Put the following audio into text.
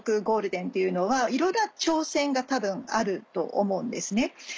ゴールデンっていうのはいろんな挑戦が多分あると思うんですね。